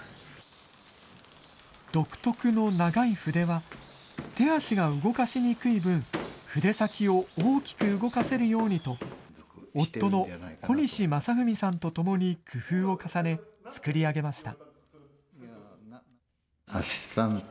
独特の長い筆は、手足が動かしにくい分、筆先を大きく動かせるようにと、夫の小西正文さんと共に工夫を重ね、作り上げました。